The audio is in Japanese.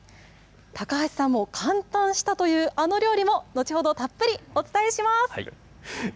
高橋さんも感嘆したというあの料理も、後ほどたっぷりお伝えします。